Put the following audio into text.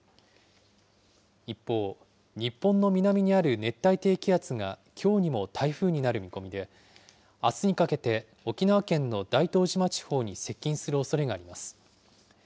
一方、日本の南にある熱帯低気圧がきょうにも台風になる見込みで、あすにかけて沖縄県の大東島地方に接近するおそれがあります。